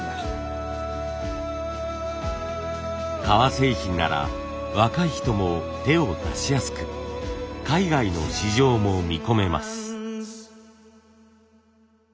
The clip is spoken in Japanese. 革製品なら若い人も手を出しやすく海外の市場も見込めます。